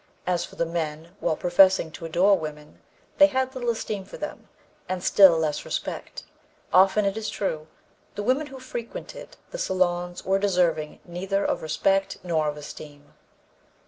As for the men, while professing to adore women, they had little esteem for them, and still less respect. Often, it is true, the women who frequented the salons were deserving neither of respect nor of esteem.